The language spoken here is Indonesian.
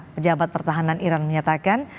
pejabat pertahanan iran menyatakan